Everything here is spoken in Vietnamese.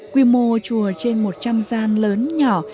quy mô chùa trên một trăm linh gian lớn nhỏ